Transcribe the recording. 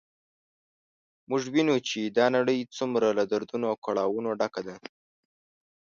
موږ وینو چې دا نړی څومره له دردونو او کړاوونو ډکه ده